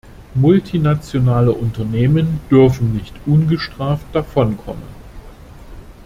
Multinationale Unternehmen dürfen nicht ungestraft davonkommen.